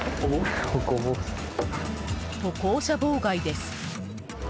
歩行者妨害です。